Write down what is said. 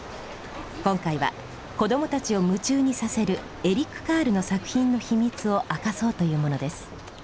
今回は子どもたちを夢中にさせるエリック・カールの作品の秘密を明かそうというものです。